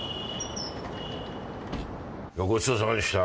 ごちそうさまでした。